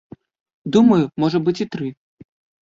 Думаю, можа быць і тры.